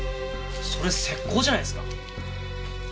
それ石膏じゃないすか？